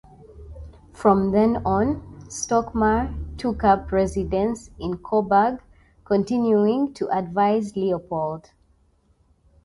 From then on, Stockmar took up residence in Coburg, continuing to advise Leopold.